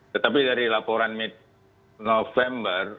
tetapi dari laporan november